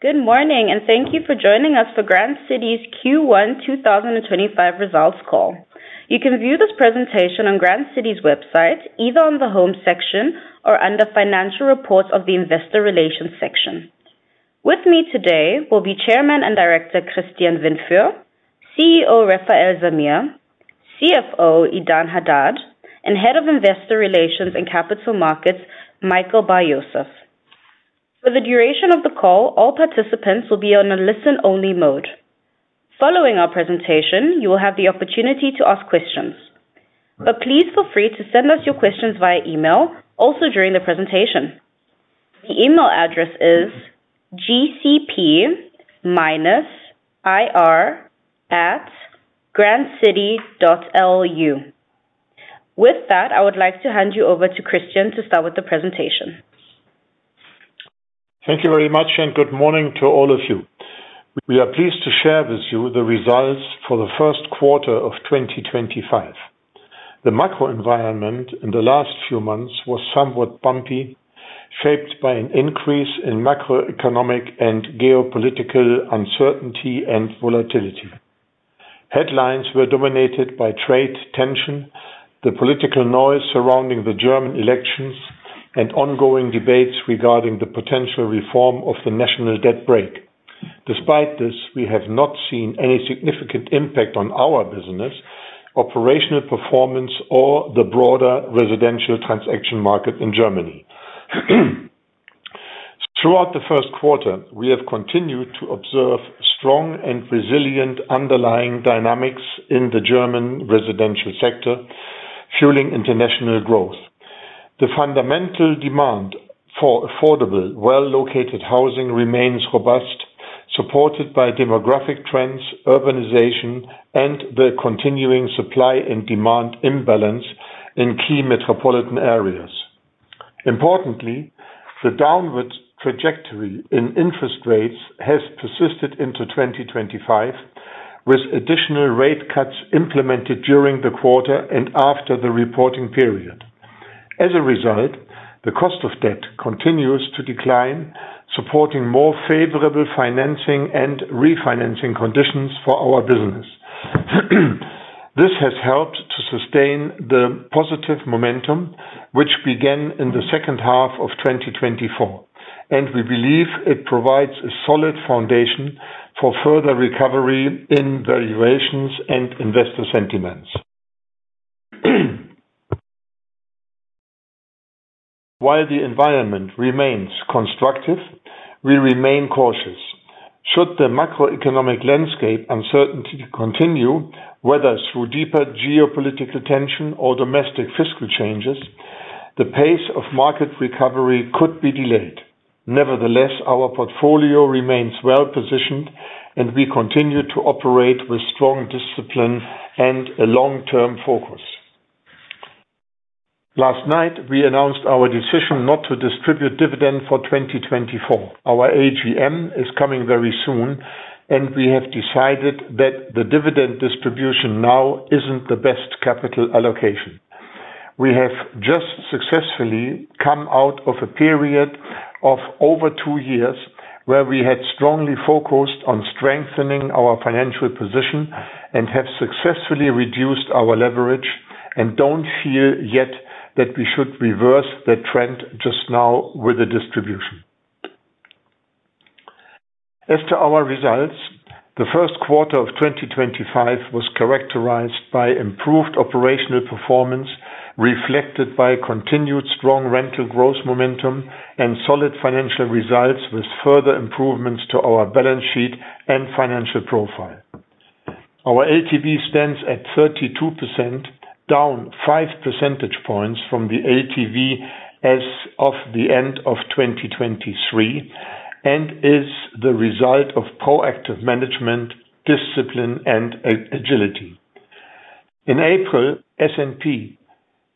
Good morning, and thank you for joining us for Grand City's Q1 2025 results call. You can view this presentation on Grand City's website, either on the home section or under Financial Reports of the Investor Relations section. With me today will be Chairman and Director Christian Windfuhr, CEO Refael Zamir, CFO Idan Hadad, and Head of Investor Relations and Capital Markets, Michael Bar-Yosef. For the duration of the call, all participants will be on a listen-only mode. Following our presentation, you will have the opportunity to ask questions. Please feel free to send us your questions via email also during the presentation. The email address is gcp-ir@grandcity.lu. With that, I would like to hand you over to Christian to start with the presentation. Thank you very much, and good morning to all of you. We are pleased to share with you the results for the first quarter of 2025. The macro environment in the last few months was somewhat bumpy, shaped by an increase in macroeconomic and geopolitical uncertainty and volatility. Headlines were dominated by trade tension, the political noise surrounding the German elections, and ongoing debates regarding the potential reform of the national debt brake. Despite this, we have not seen any significant impact on our business, operational performance or the broader residential transaction market in Germany. Throughout the first quarter, we have continued to observe strong and resilient underlying dynamics in the German residential sector, fueling international growth. The fundamental demand for affordable, well-located housing remains robust, supported by demographic trends, urbanization, and the continuing supply and demand imbalance in key metropolitan areas. Importantly, the downward trajectory in interest rates has persisted into 2025, with additional rate cuts implemented during the quarter and after the reporting period. As a result, the cost of debt continues to decline, supporting more favorable financing and refinancing conditions for our business. This has helped to sustain the positive momentum, which began in the second half of 2024, and we believe it provides a solid foundation for further recovery in valuations and investor sentiments. While the environment remains constructive, we remain cautious. Should the macroeconomic landscape uncertainty continue, whether through deeper geopolitical tension or domestic fiscal changes, the pace of market recovery could be delayed. Nevertheless, our portfolio remains well-positioned, and we continue to operate with strong discipline and a long-term focus. Last night, we announced our decision not to distribute dividend for 2024. Our AGM is coming very soon, and we have decided that the dividend distribution now isn't the best capital allocation. We have just successfully come out of a period of over two years where we had strongly focused on strengthening our financial position and have successfully reduced our leverage and don't feel yet that we should reverse the trend just now with a distribution. As to our results, the first quarter of 2025 was characterized by improved operational performance, reflected by continued strong rental growth momentum and solid financial results with further improvements to our balance sheet and financial profile. Our LTV stands at 32%, down five percentage points from the LTV as of the end of 2023, and is the result of proactive management, discipline, and agility. In April, S&P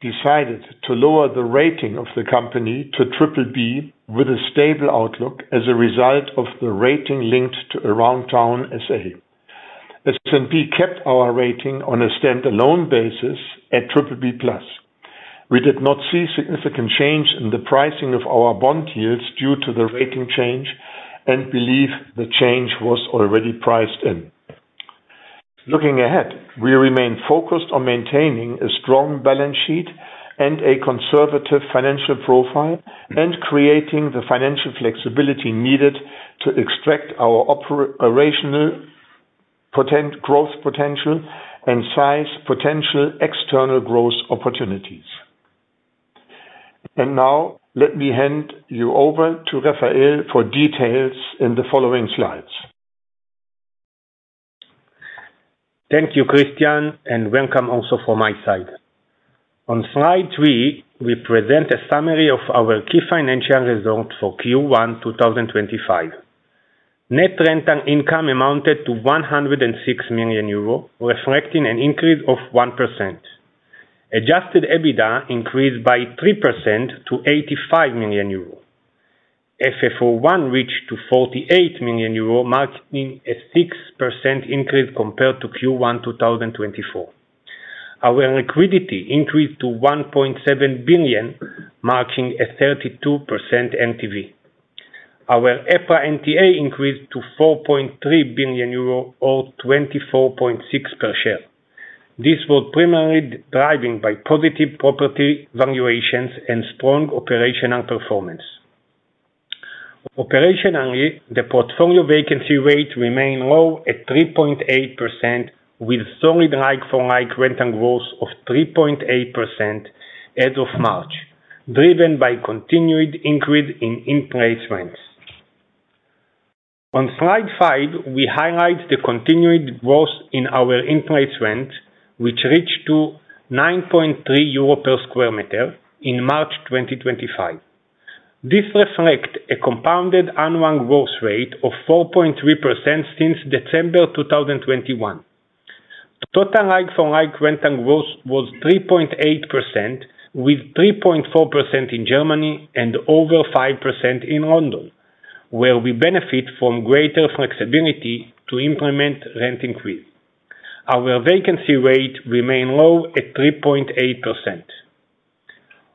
decided to lower the rating of the company to BBB with a stable outlook as a result of the rating linked to Aroundtown SA. S&P kept our rating on a stand-alone basis at BBB+. We did not see a significant change in the pricing of our bond yields due to the rating change and believe the change was already priced in. Looking ahead, we remain focused on maintaining a strong balance sheet and a conservative financial profile, creating the financial flexibility needed to extract our operational growth potential and size potential external growth opportunities. Now, let me hand you over to Refael for details in the following slides. Thank you, Christian, and welcome also from my side. On slide three, we present a summary of our key financial results for Q1 2025. Net rental income amounted to 106 million euro, reflecting an increase of 1%. Adjusted EBITDA increased by 3% to 85 million euro. FFO1 reached 48 million euro, marking a 6% increase compared to Q1 2024. Our liquidity increased to 1.7 billion, marking a 32% LTV. Our EPRA NTA increased to 4.3 billion euro or 24.6 per share. This was primarily driven by positive property valuations and strong operational performance. Operationally, the portfolio vacancy rate remained low at 3.8%, with solid like-for-like rental growth of 3.8% as of March, driven by continued increase in in-place rents. On slide five, we highlight the continued growth in our in-place rent, which reached 9.3 euro per square meter in March 2025. This reflects a compounded annual growth rate of 4.3% since December 2021. Total like-for-like rental growth was 3.8%, with 3.4% in Germany and over 5% in London, where we benefit from greater flexibility to implement rent increase. Our vacancy rate remained low at 3.8%.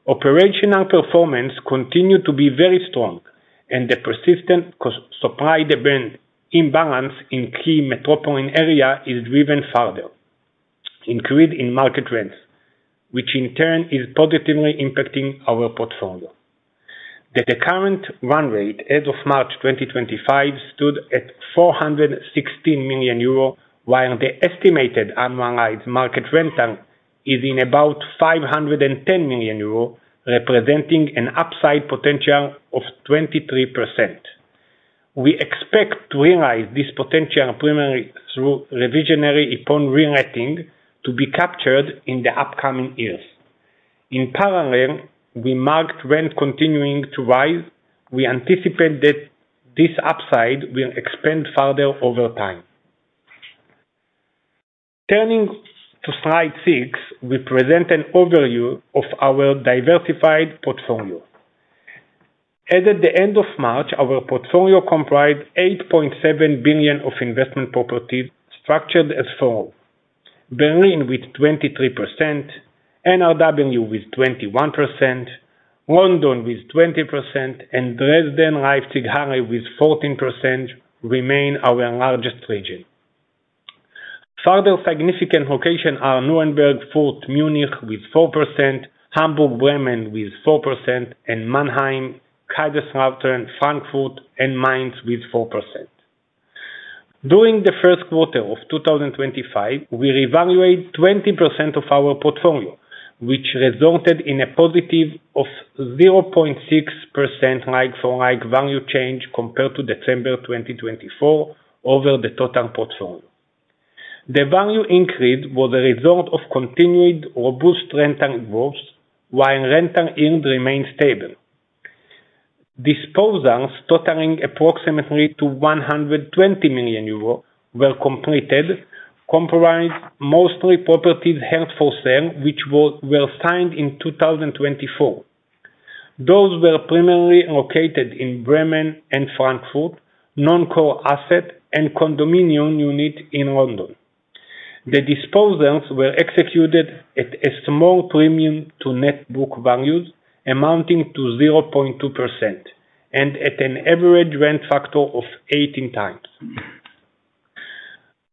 Operational performance continued to be very strong and the persistent supply-demand imbalance in key metropolitan area is driven further. Increase in market rents, which in turn is positively impacting our portfolio. The current run rate as of March 2025, stood at 416 million euro, while the estimated annualized market rental is in about 510 million euro, representing an upside potential of 23%. We expect to realize this potential primarily through revisionary upon reletting to be captured in the upcoming years. In parallel, we marked rent continuing to rise. We anticipate that this upside will expand further over time. Turning to slide six, we present an overview of our diversified portfolio. As at the end of March, our portfolio comprised 8.7 billion of investment properties structured as follows: Berlin with 23%, NRW with 21%, London with 20%, and Dresden/Leipzig/Halle with 14%, remain our largest region. Further significant locations are Nuremberg/Fürth/Munich with 4%, Hamburg/Bremen with 4%, and Mannheim/Karlsruhe/Frankfurt and Mainz with 4%. During the first quarter of 2025, we reevaluate 20% of our portfolio, which resulted in a positive of 0.6% like-for-like value change compared to December 2024 over the total portfolio. The value increase was a result of continued robust rental growth, while rental yield remained stable. Disposals totaling approximately 120 million euros were completed, comprised mostly properties held for sale, which were signed in 2024. Those were primarily located in Bremen and Frankfurt, non-core asset, and condominium unit in London. The disposals were executed at a small premium to net book values amounting to 0.2% and at an average rent factor of 18x.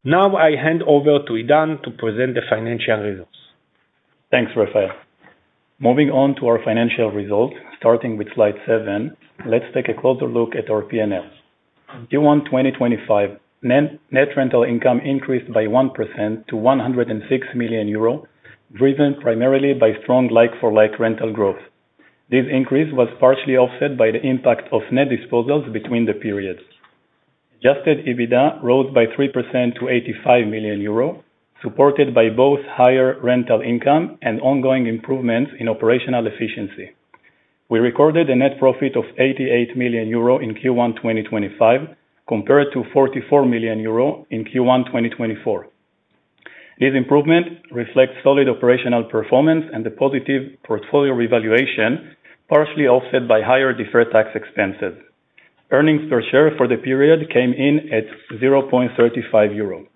Now I hand over to Idan to present the financial results. Thanks, Refael. Moving on to our financial results, starting with slide seven. Let's take a closer look at our P&L. Q1 2025, net rental income increased by 1% to 106 million euros, driven primarily by strong like-for-like rental growth. This increase was partially offset by the impact of net disposals between the periods. Adjusted EBITDA rose by 3% to 85 million euro, supported by both higher rental income and ongoing improvements in operational efficiency. We recorded a net profit of 88 million euro in Q1 2025 compared to 44 million euro in Q1 2024. This improvement reflects solid operational performance and the positive portfolio revaluation, partially offset by higher deferred tax expenses. Earnings per share for the period came in at 0.35 euro.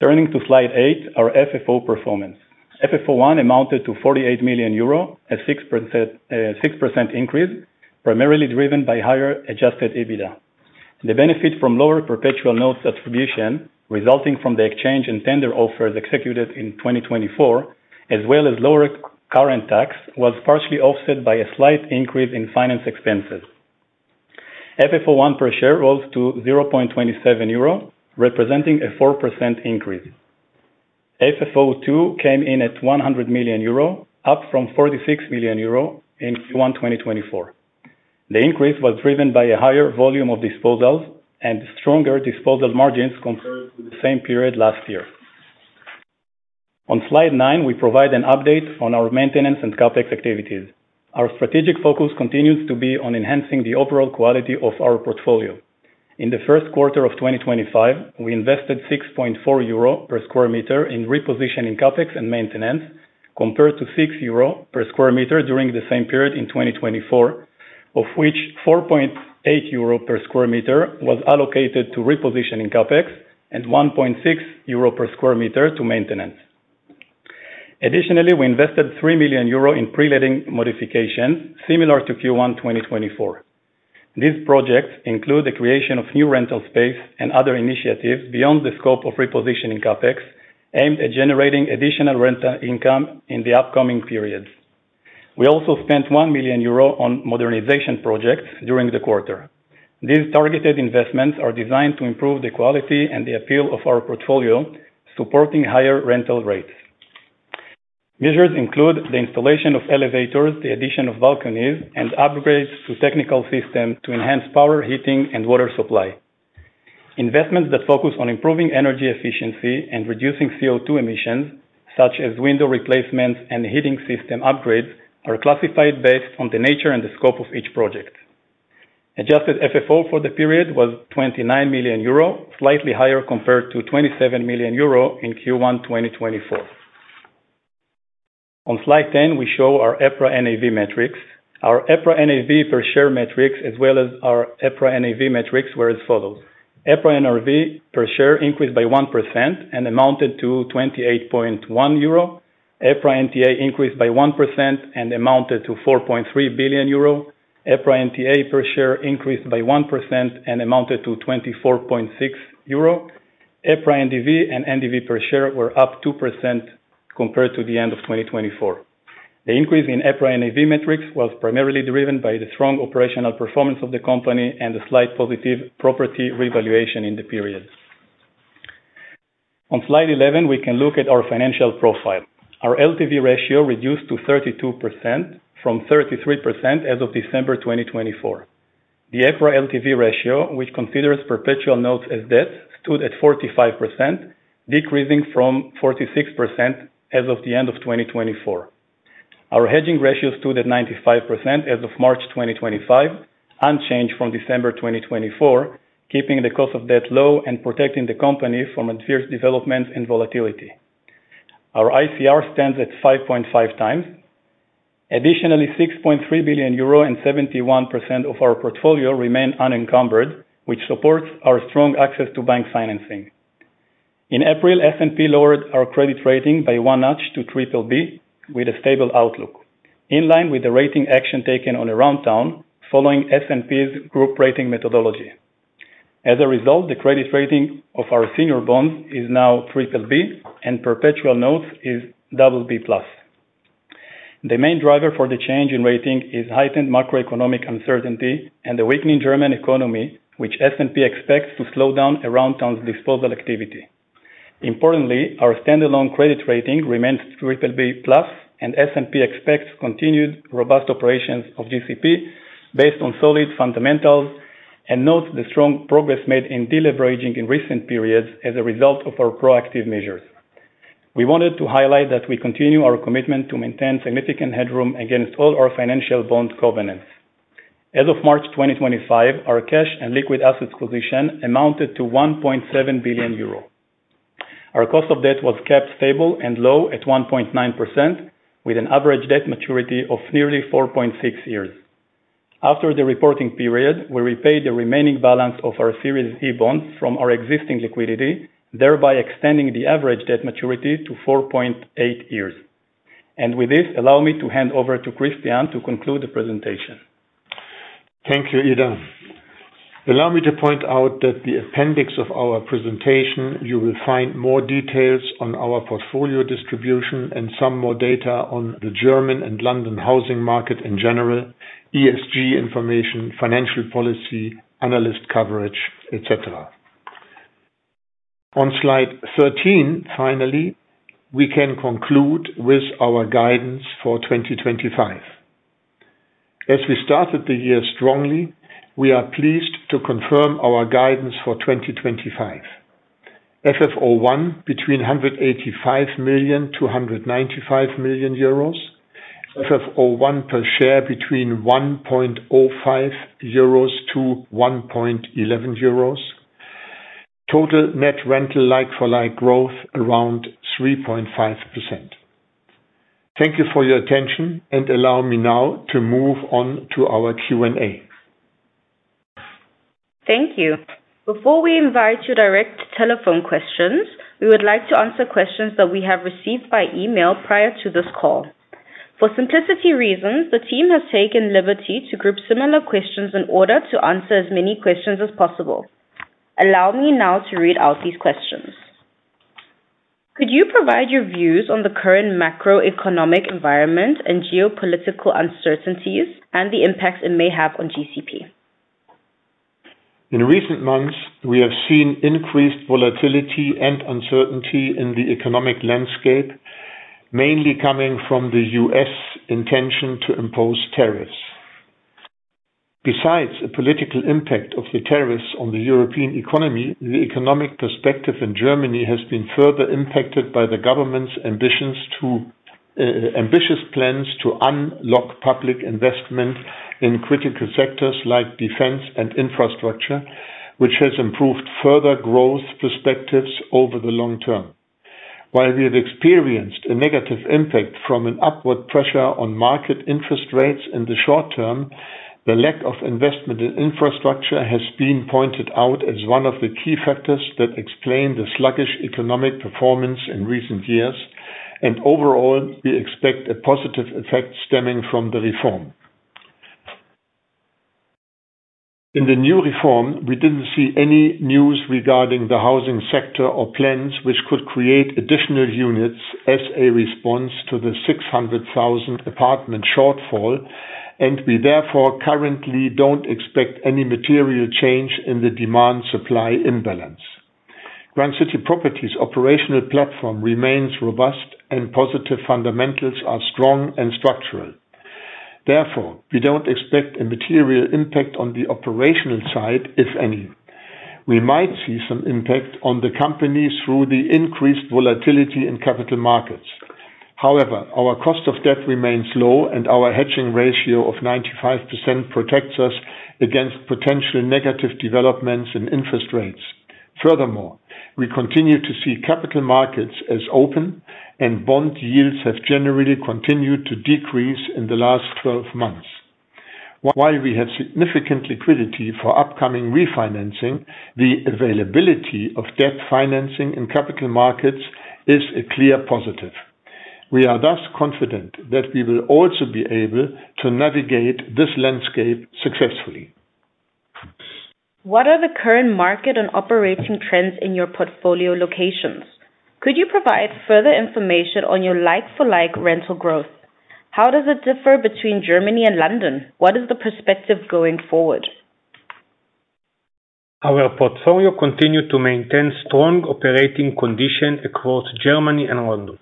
Turning to slide eight, our FFO performance. FFO 1 amounted to 48 million euro, a 6% increase, primarily driven by higher adjusted EBITDA. The benefit from lower perpetual notes attribution resulting from the exchange and tender offers executed in 2024, as well as lower current tax, was partially offset by a slight increase in finance expenses. FFO 1 per share rose to 0.27 euro, representing a 4% increase. FFO 2 came in at 100 million euro, up from 46 million euro in Q1 2024. The increase was driven by a higher volume of disposals and stronger disposal margins compared to the same period last year. On slide nine, we provide an update on our maintenance and CapEx activities. Our strategic focus continues to be on enhancing the overall quality of our portfolio. In the first quarter of 2025, we invested 6.4 euro per square meter in repositioning CapEx and maintenance, compared to 6 euro per square meter during the same period in 2024. Of which 4.8 euro per square meter was allocated to repositioning CapEx and 1.6 euro per square meter to maintenance. Additionally, we invested 3 million euro in pre-letting modifications similar to Q1 2024. These projects include the creation of new rental space and other initiatives beyond the scope of repositioning CapEx, aimed at generating additional rental income in the upcoming periods. We also spent 1 million euro on modernization projects during the quarter. These targeted investments are designed to improve the quality and the appeal of our portfolio, supporting higher rental rates. Measures include the installation of elevators, the addition of balconies, and upgrades to technical systems to enhance power heating and water supply. Investments that focus on improving energy efficiency and reducing CO2 emissions, such as window replacements and heating system upgrades, are classified based on the nature and the scope of each project. Adjusted FFO for the period was 29 million euro, slightly higher compared to 27 million euro in Q1 2024. On slide 10, we show our EPRA NAV metrics. Our EPRA NAV per share metrics as well as our EPRA NAV metrics were as follows. EPRA NRV per share increased by 1% and amounted to 28.1 euro. EPRA NTA increased by 1% and amounted to 4.3 billion euro. EPRA NTA per share increased by 1% and amounted to 24.6 euro. EPRA NDV and NDV per share were up 2% compared to the end of 2024. The increase in EPRA NAV metrics was primarily driven by the strong operational performance of the company and a slight positive property revaluation in the period. On slide 11, we can look at our financial profile. Our LTV ratio reduced to 32% from 33% as of December 2024. The EPRA LTV ratio, which considers perpetual notes as debt, stood at 45%, decreasing from 46% as of the end of 2024. Our hedging ratio stood at 95% as of March 2025, unchanged from December 2024, keeping the cost of debt low and protecting the company from adverse developments and volatility. Our ICR stands at 5.5x. Additionally, 6.3 billion euro and 71% of our portfolio remain unencumbered, which supports our strong access to bank financing. In April, S&P lowered our credit rating by one notch to BBB with a stable outlook, in line with the rating action taken on Aroundtown following S&P's group rating methodology. As a result, the credit rating of our senior bonds is now BBB and perpetual notes is BB+. The main driver for the change in rating is heightened macroeconomic uncertainty and the weakening German economy, which S&P expects to slow down Aroundtown's disposal activity. Importantly, our standalone credit rating remains BBB+. S&P expects continued robust operations of GCP based on solid fundamentals and notes the strong progress made in deleveraging in recent periods as a result of our proactive measures. We wanted to highlight that we continue our commitment to maintain significant headroom against all our financial bond covenants. As of March 2025, our cash and liquid assets position amounted to 1.7 billion euro. Our cost of debt was kept stable and low at 1.9% with an average debt maturity of nearly 4.6 years. After the reporting period, we repaid the remaining balance of our Series E bonds from our existing liquidity, thereby extending the average debt maturity to 4.8 years. With this, allow me to hand over to Christian to conclude the presentation. Thank you, Idan. Allow me to point out that the appendix of our presentation, you will find more details on our portfolio distribution and some more data on the German and London housing market in general, ESG information, financial policy, analyst coverage, et cetera. On slide 13, finally, we can conclude with our guidance for 2025. As we started the year strongly, we are pleased to confirm our guidance for 2025. FFO1 between 185 million-195 million euros. FFO1 per share between 1.05-1.11 euros. Total net rental like for like growth around 3.5%. Thank you for your attention. Allow me now to move on to our Q&A. Thank you. Before we invite your direct telephone questions, we would like to answer questions that we have received by email prior to this call. For simplicity reasons, the team has taken liberty to group similar questions in order to answer as many questions as possible. Allow me now to read out these questions. Could you provide your views on the current macroeconomic environment and geopolitical uncertainties and the impacts it may have on GCP? In recent months, we have seen increased volatility and uncertainty in the economic landscape, mainly coming from the U.S. intention to impose tariffs. Besides the political impact of the tariffs on the European economy, the economic perspective in Germany has been further impacted by the government's ambitious plans to unlock public investment in critical sectors like defense and infrastructure, which has improved further growth perspectives over the long term. While we have experienced a negative impact from an upward pressure on market interest rates in the short term, the lack of investment in infrastructure has been pointed out as one of the key factors that explain the sluggish economic performance in recent years. Overall, we expect a positive effect stemming from the reform. In the new reform, we didn't see any news regarding the housing sector or plans which could create additional units as a response to the 600,000 apartment shortfall. We therefore currently don't expect any material change in the demand/supply imbalance. Grand City Properties' operational platform remains robust. Positive fundamentals are strong and structural. Therefore, we don't expect a material impact on the operational side, if any. We might see some impact on the company through the increased volatility in capital markets. However, our cost of debt remains low. Our hedging ratio of 95% protects us against potential negative developments in interest rates. Furthermore, we continue to see capital markets as open. Bond yields have generally continued to decrease in the last 12 months. While we have significant liquidity for upcoming refinancing, the availability of debt financing in capital markets is a clear positive. We are thus confident that we will also be able to navigate this landscape successfully. What are the current market and operating trends in your portfolio locations? Could you provide further information on your like-for-like rental growth? How does it differ between Germany and London? What is the perspective going forward? Our portfolio continued to maintain strong operating condition across Germany and London.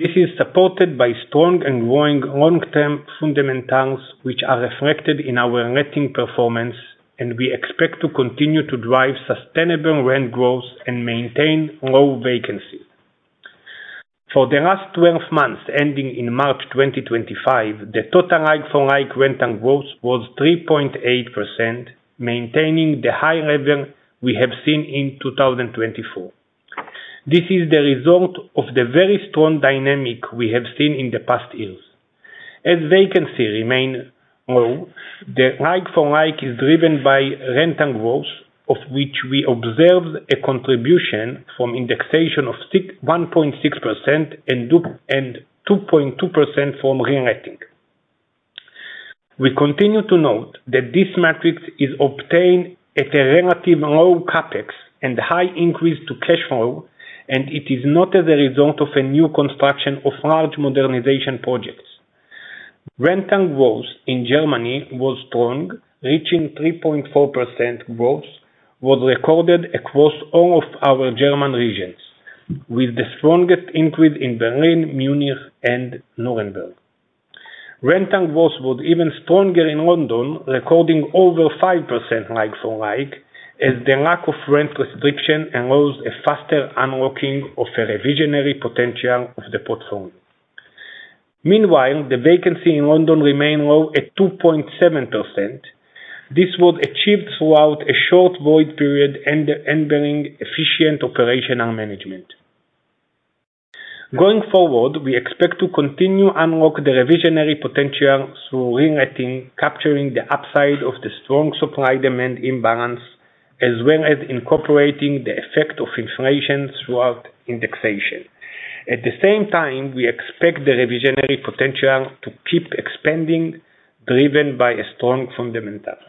This is supported by strong and growing long-term fundamentals, which are reflected in our letting performance. We expect to continue to drive sustainable rent growth and maintain low vacancy. For the last 12 months, ending in March 2025, the total like-for-like rental growth was 3.8%, maintaining the high level we have seen in 2024. This is the result of the very strong dynamic we have seen in the past years. As vacancy remain low, the like-for-like is driven by rental growth, of which we observed a contribution from indexation of 1.6% and 2.2% from reletting. We continue to note that this metric is obtained at a relative low CapEx and high increase to cash flow, and it is not as a result of a new construction of large modernization projects. Rental growth in Germany was strong, reaching 3.4% growth, was recorded across all of our German regions, with the strongest increase in Berlin, Munich, and Nuremberg. Rental growth was even stronger in London, recording over 5% like-for-like, as the lack of rent restriction allows a faster unlocking of the revisionary potential of the portfolio. Meanwhile, the vacancy in London remained low at 2.7%. This was achieved throughout a short void period and bearing efficient operational management. Going forward, we expect to continue to unlock the revisionary potential through reletting, capturing the upside of the strong supply/demand imbalance, as well as incorporating the effect of inflation throughout indexation. At the same time, we expect the revisionary potential to keep expanding, driven by strong fundamentals.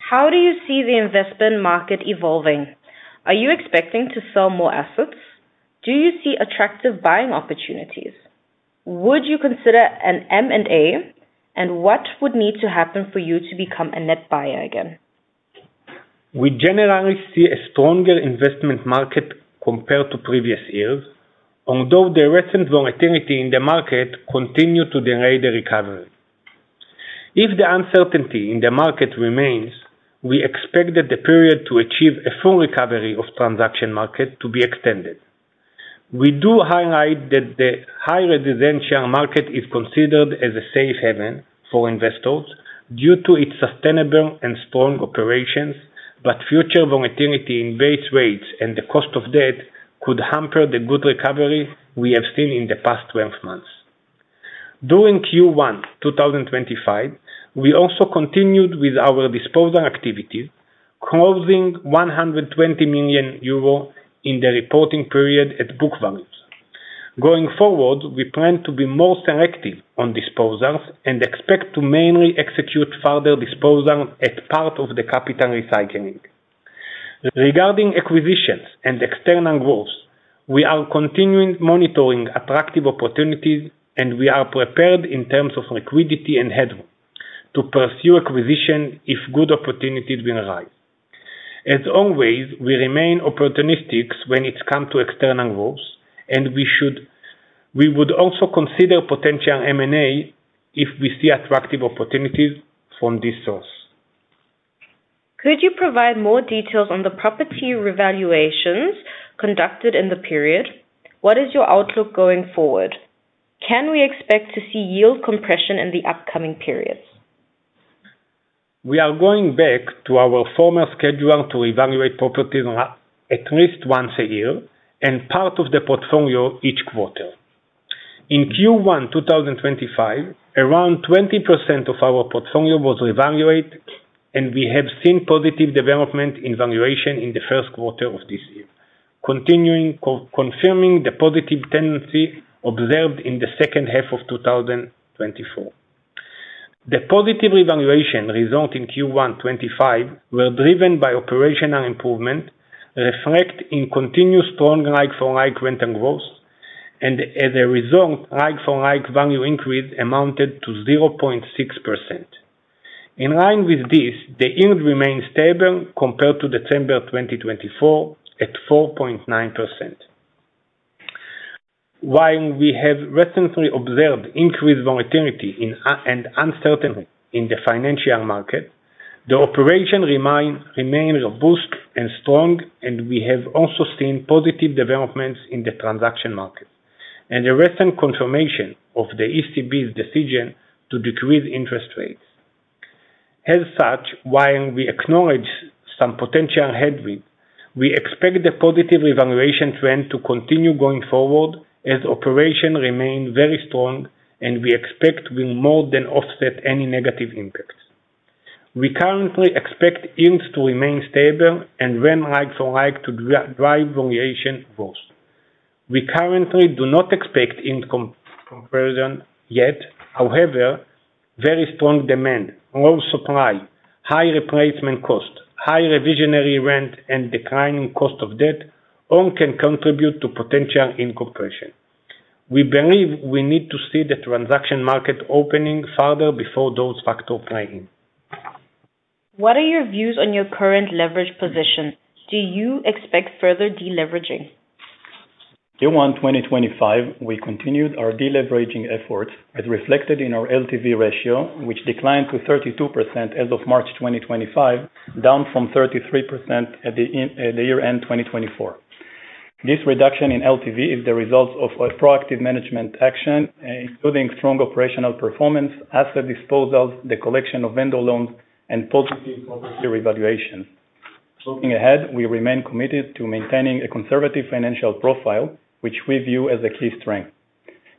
How do you see the investment market evolving? Are you expecting to sell more assets? Do you see attractive buying opportunities? Would you consider an M&A, and what would need to happen for you to become a net buyer again? We generally see a strong investment market compared to the recent volatility in the market continued to delay the recovery. If the uncertainty in the market remains, we expect that the period to achieve a full recovery of transaction market to be extended. We do highlight that the high residential market is considered as a safe haven for investors due to its sustainable and strong operations, but future volatility in base rates and the cost of debt could hamper the good recovery we have seen in the past 12 months. During Q1 2025, we also continued with our disposal activities, closing 120 million euro in the reporting period at book values. Going forward, we plan to be more selective on disposals and expect to mainly execute further disposals as part of the capital recycling. Regarding acquisitions and external growth, we are continuing monitoring attractive opportunities, and we are prepared in terms of liquidity and headroom to pursue acquisition if good opportunities will arise. As always, we remain opportunistic when it come to external growth. We would also consider potential M&A if we see attractive opportunities from this source. Could you provide more details on the property revaluations conducted in the period? What is your outlook going forward? Can we expect to see yield compression in the upcoming periods? We are going back to our former schedule to evaluate properties at least once a year and part of the portfolio each quarter. In Q1 2025, around 20% of our portfolio was evaluated, and we have seen positive development in valuation in the first quarter of this year, confirming the positive tendency observed in the second half of 2024. The positive evaluation results in Q1 2025 were driven by operational improvement, reflect in continuous strong like-for-like rental growth, and as a result, like-for-like value increase amounted to 0.6%. In line with this, the yield remains stable compared to December 2024 at 4.9%. While we have recently observed increased volatility and uncertainty in the financial market, the operation remains robust and strong, and we have also seen positive developments in the transaction market and the recent confirmation of the ECB's decision to decrease interest rates. As such, while we acknowledge some potential headway, we expect the positive revaluation trend to continue going forward as operations remain very strong and we expect will more than offset any negative impacts. We currently expect yields to remain stable and rent like-for-like to drive valuation growth. We currently do not expect yield compression yet. However, very strong demand, low supply, high replacement cost, high revisionary rent, and declining cost of debt all can contribute to potential yield compression. We believe we need to see the transaction market opening further before those factors play in. What are your views on your current leverage position? Do you expect further deleveraging? Q1 2025, we continued our deleveraging efforts as reflected in our LTV ratio, which declined to 32% as of March 2025, down from 33% at the year-end 2024. This reduction in LTV is the result of a proactive management action, including strong operational performance, asset disposals, the collection of vendor loans, and positive property revaluation. Looking ahead, we remain committed to maintaining a conservative financial profile, which we view as a key strength.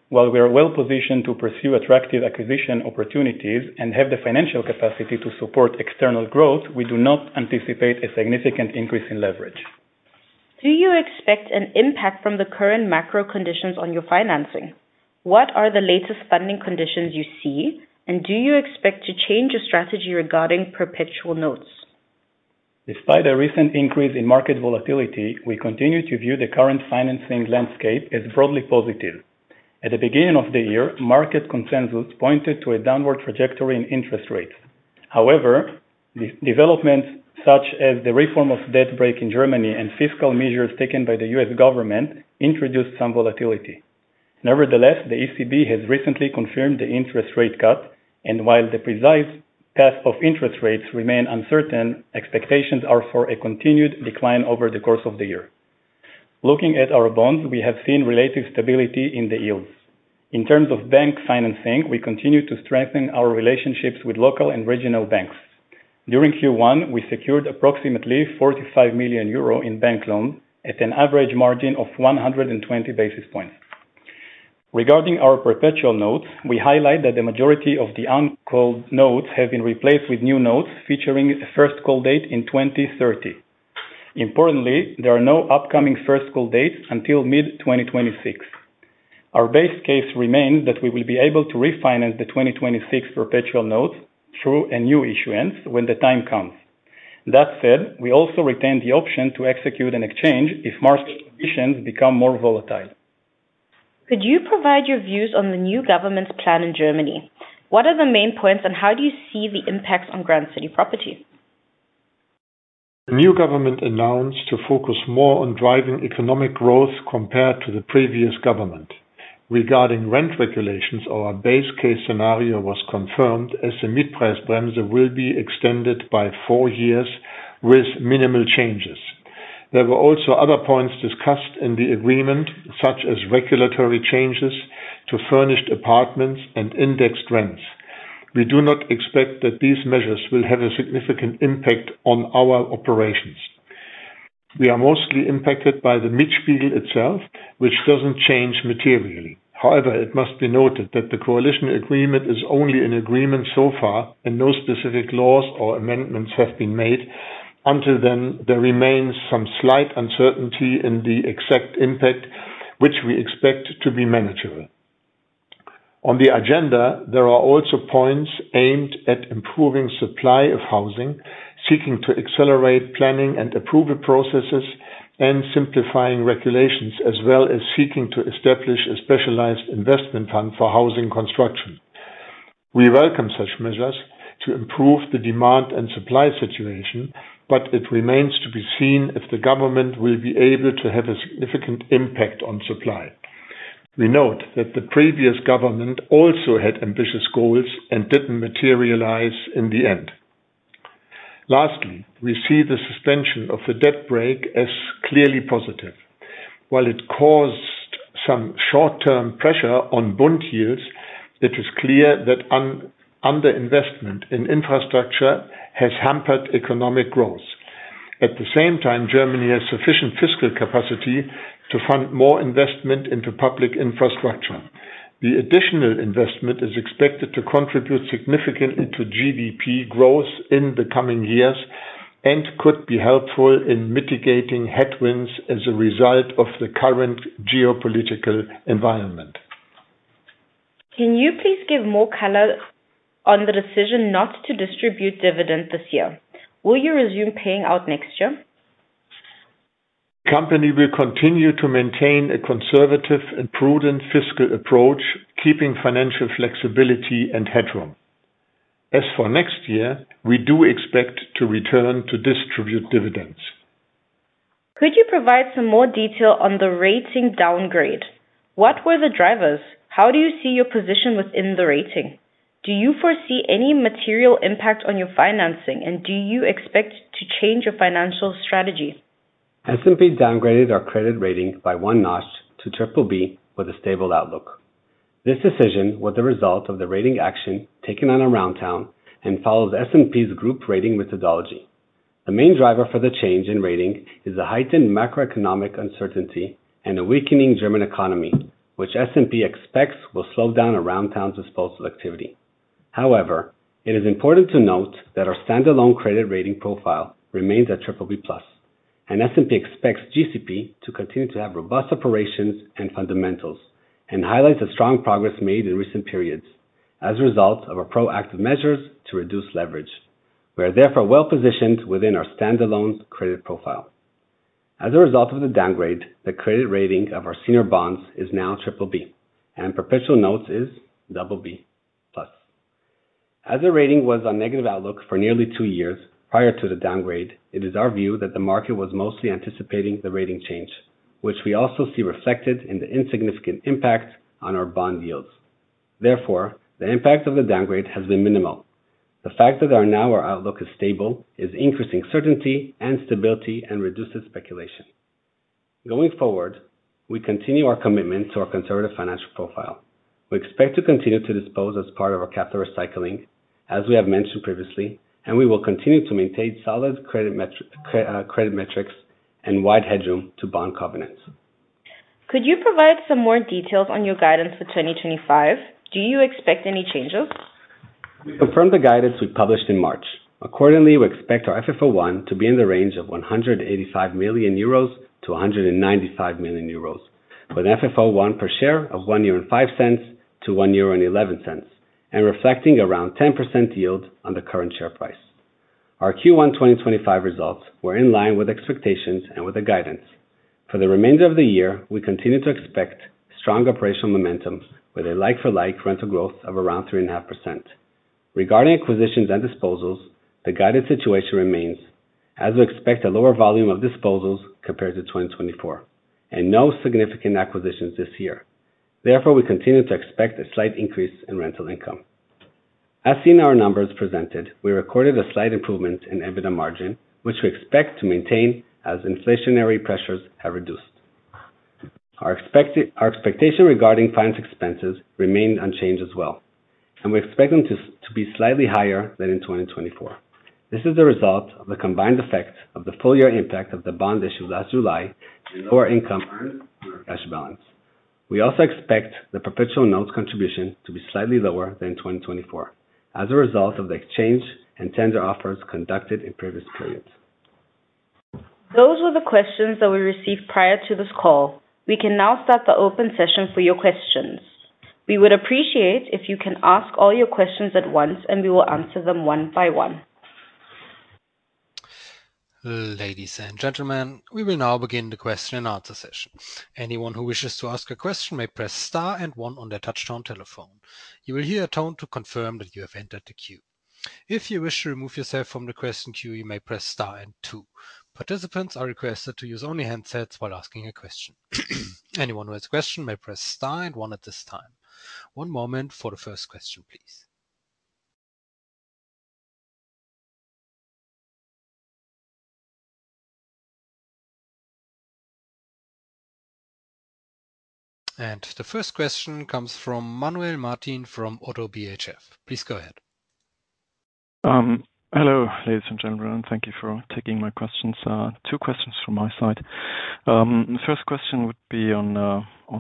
While we are well-positioned to pursue attractive acquisition opportunities and have the financial capacity to support external growth, we do not anticipate a significant increase in leverage. Do you expect an impact from the current macro conditions on your financing? What are the latest funding conditions you see, and do you expect to change your strategy regarding perpetual notes? Despite a recent increase in market volatility, we continue to view the current financing landscape as broadly positive. At the beginning of the year, market consensus pointed to a downward trajectory in interest rates. Developments such as the reform of debt break in Germany and fiscal measures taken by the U.S. government introduced some volatility. The ECB has recently confirmed the interest rate cut, and while the precise path of interest rates remain uncertain, expectations are for a continued decline over the course of the year. Looking at our bonds, we have seen relative stability in the yields. In terms of bank financing, we continue to strengthen our relationships with local and regional banks. During Q1, we secured approximately 45 million euro in bank loans at an average margin of 120 basis points. Regarding our perpetual notes, we highlight that the majority of the uncalled notes have been replaced with new notes featuring a first call date in 2030. There are no upcoming first call dates until mid-2026. Our base case remains that we will be able to refinance the 2026 perpetual notes through a new issuance when the time comes. We also retain the option to execute an exchange if market conditions become more volatile. Could you provide your views on the new government's plan in Germany? What are the main points, and how do you see the impacts on Grand City Properties? The new government announced to focus more on driving economic growth compared to the previous government. Regarding rent regulations, our base case scenario was confirmed as the Mietpreisbremse will be extended by four years with minimal changes. There were also other points discussed in the agreement, such as regulatory changes to furnished apartments and indexed rents. We do not expect that these measures will have a significant impact on our operations. We are mostly impacted by the Mietspiegel itself, which doesn't change materially. However, it must be noted that the coalition agreement is only an agreement so far, and no specific laws or amendments have been made. Until then, there remains some slight uncertainty in the exact impact, which we expect to be manageable. On the agenda, there are also points aimed at improving supply of housing, seeking to accelerate planning and approval processes, and simplifying regulations, as well as seeking to establish a specialized investment fund for housing construction. We welcome such measures to improve the demand and supply situation. It remains to be seen if the government will be able to have a significant impact on supply. We note that the previous government also had ambitious goals and didn't materialize in the end. Lastly, we see the suspension of the debt break as clearly positive. While it caused some short-term pressure on bond yields, it is clear that under-investment in infrastructure has hampered economic growth. At the same time, Germany has sufficient fiscal capacity to fund more investment into public infrastructure. The additional investment is expected to contribute significantly to GDP growth in the coming years and could be helpful in mitigating headwinds as a result of the current geopolitical environment. Can you please give more color on the decision not to distribute dividends this year? Will you resume paying out next year? The company will continue to maintain a conservative and prudent fiscal approach, keeping financial flexibility and headroom. As for next year, we do expect to return to distribute dividends. Could you provide some more detail on the rating downgrade? What were the drivers? How do you see your position within the rating? Do you foresee any material impact on your financing, and do you expect to change your financial strategy? S&P downgraded our credit rating by one notch to BBB with a stable outlook. This decision was the result of the rating action taken on Aroundtown and follows S&P's group rating methodology. The main driver for the change in rating is the heightened macroeconomic uncertainty and a weakening German economy, which S&P expects will slow down Aroundtown's disposal activity. However, it is important to note that our standalone credit rating profile remains at BBB+. S&P expects GCP to continue to have robust operations and fundamentals, and highlights the strong progress made in recent periods as a result of our proactive measures to reduce leverage. We are therefore well-positioned within our standalone credit profile. As a result of the downgrade, the credit rating of our senior bonds is now BBB, and perpetual notes is BB+. As the rating was on negative outlook for nearly two years prior to the downgrade, it is our view that the market was mostly anticipating the rating change, which we also see reflected in the insignificant impact on our bond yields. Therefore, the impact of the downgrade has been minimal. The fact that now our outlook is stable is increasing certainty and stability and reduces speculation. Going forward, we continue our commitment to our conservative financial profile. We expect to continue to dispose as part of our capital recycling, as we have mentioned previously, and we will continue to maintain solid credit metrics and wide headroom to bond covenants. Could you provide some more details on your guidance for 2025? Do you expect any changes? We confirm the guidance we published in March. Accordingly, we expect our FFO1 to be in the range of 185 million-195 million euros, with an FFO1 per share of 1.05-1.11 euro, reflecting around 10% yield on the current share price. Our Q1 2025 results were in line with expectations and with the guidance. For the remainder of the year, we continue to expect strong operational momentum with a like-for-like rental growth of around 3.5%. Regarding acquisitions and disposals, the guided situation remains as we expect a lower volume of disposals compared to 2024. No significant acquisitions this year. We continue to expect a slight increase in rental income. As seen in our numbers presented, we recorded a slight improvement in EBITDA margin, which we expect to maintain as inflationary pressures have reduced. Our expectation regarding finance expenses remain unchanged as well. We expect them to be slightly higher than in 2024. This is the result of the combined effect of the full-year impact of the bond issue last July and lower income earned on our cash balance. We also expect the perpetual notes contribution to be slightly lower than 2024 as a result of the exchange and tender offers conducted in previous periods. Those were the questions that we received prior to this call. We can now start the open session for your questions. We would appreciate if you can ask all your questions at once, we will answer them one by one. Ladies and gentlemen, we will now begin the question-and-answer session. Anyone who wishes to ask a question may press star and one on their touchtone telephone. You will hear a tone to confirm that you have entered the queue. If you wish to remove yourself from the question queue, you may press star and two. Participants are requested to use only handsets while asking a question. Anyone who has a question may press star and one at this time. One moment for the first question, please. The first question comes from Manuel Martin from ODDO BHF. Please go ahead. Hello, ladies and gentlemen. Thank you for taking my questions. Two questions from my side. First question would be on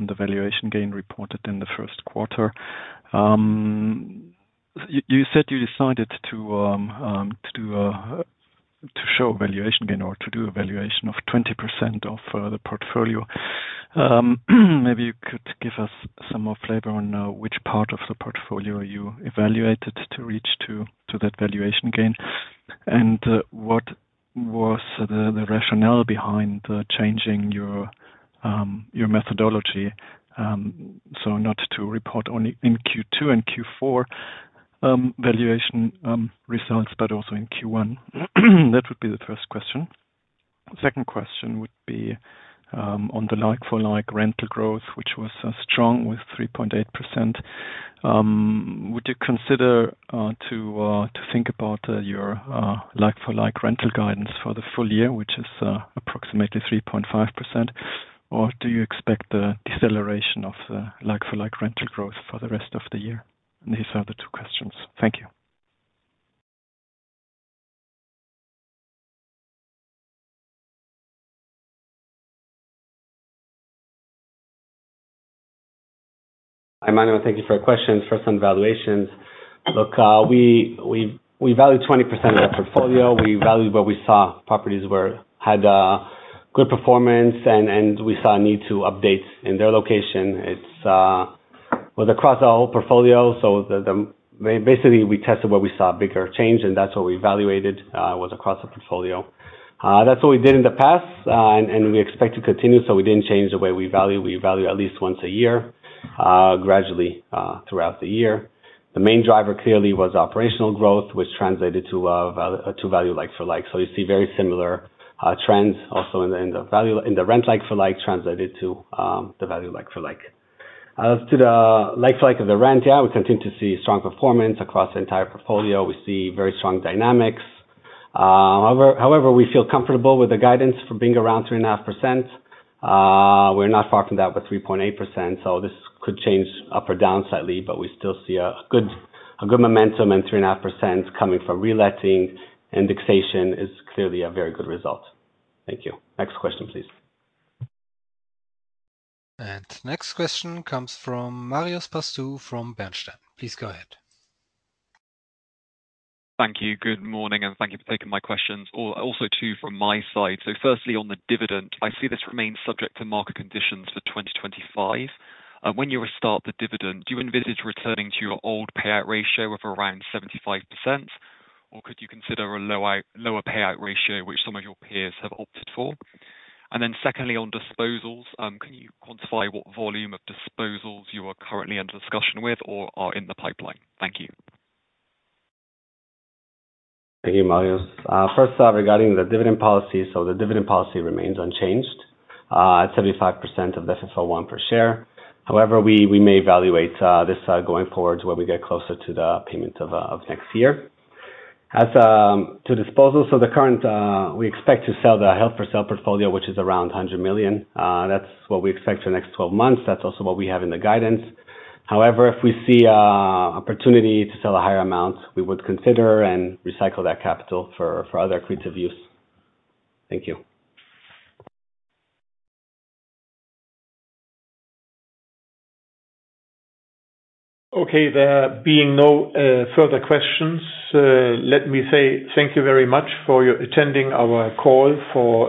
the valuation gain reported in the first quarter. You said you decided to show a valuation gain or to do a valuation of 20% of the portfolio. Maybe you could give us some more flavor on which part of the portfolio you evaluated to reach to that valuation gain, and what was the rationale behind changing your methodology, so not to report only in Q2 and Q4 valuation results, but also in Q1? That would be the first question. Second question would be on the like-for-like rental growth, which was strong with 3.8%. Would you consider to think about your like-for-like rental guidance for the full year, which is approximately 3.5%? Or do you expect a deceleration of like-for-like rental growth for the rest of the year? These are the two questions. Thank you. Manuel, thank you for your questions. First on valuations. Look, we value 20% of our portfolio. We value what we saw properties where had good performance, and we saw a need to update in their location. It was across our whole portfolio, so basically we tested what we saw, bigger change, and that's what we valuated was across the portfolio. That's what we did in the past, and we expect to continue. We didn't change the way we value. We value at least once a year, gradually throughout the year. The main driver clearly was operational growth, which translated to value like-for-like. So you see very similar trends also in the end of value, in the rent like-for-like translated to the value like-for-like. As to the like-for-like of the rent, yeah, we continue to see strong performance across the entire portfolio. We see very strong dynamics. We feel comfortable with the guidance for being around 3.5%. We're not far from that with 3.8%, this could change up or down slightly, we still see a good momentum and 3.5% coming from reletting. Indexation is clearly a very good result. Thank you. Next question please. Next question comes from Marios Pastou from Bernstein. Please go ahead. Thank you. Good morning, and thank you for taking my questions. Also two from my side. Firstly, on the dividend, I see this remains subject to market conditions for 2025. When you restart the dividend, do you envisage returning to your old payout ratio of around 75%? Could you consider a lower payout ratio, which some of your peers have opted for? Secondly, on disposals, can you quantify what volume of disposals you are currently under discussion with or are in the pipeline? Thank you. Thank you, Marios. First, regarding the dividend policy. The dividend policy remains unchanged at 75% of the FFO1 per share. We may evaluate this going forward when we get closer to the payment of next year. As to disposals, the current, we expect to sell the held-for-sale portfolio, which is around 100 million. That's what we expect for the next 12 months. That's also what we have in the guidance. If we see opportunity to sell a higher amount, we would consider and recycle that capital for other creative use. Thank you. Okay, there being no further questions, let me say thank you very much for attending our call, for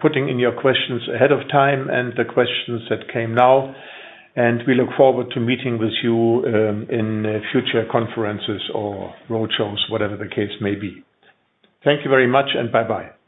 putting in your questions ahead of time and the questions that came now. We look forward to meeting with you in future conferences or road shows, whatever the case may be. Thank you very much, and bye-bye.